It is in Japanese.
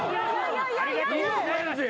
ありがとうございます。